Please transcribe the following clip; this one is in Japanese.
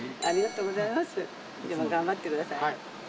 頑張ってください。